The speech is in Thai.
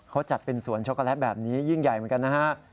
เขาจัดเป็นสวนช็กโกแลตแบบนี้ยิ่งใหญ่เหมือนกันนะฮะ